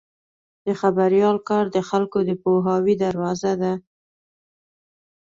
د خبریال کار د خلکو د پوهاوي دروازه ده.